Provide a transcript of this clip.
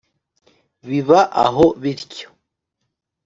biba aho bityo.